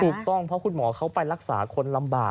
ถูกต้องเพราะคุณหมอเขาไปรักษาคนลำบาก